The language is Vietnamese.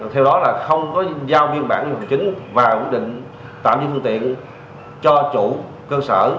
theo đó là không có giao biên bản hành chính và quyết định tạm dự phương tiện cho chủ cơ sở